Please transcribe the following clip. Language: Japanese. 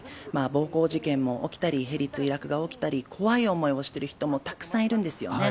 暴行事件も起きたり、ヘリ墜落が起きたり、怖い思いをしている人も、たくさんいるんですよね。